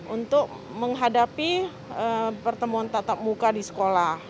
untuk menghadapi pertemuan tatap muka di sekolah